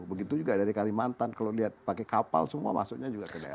begitu juga dari kalimantan kalau lihat pakai kapal semua masuknya juga ke daerah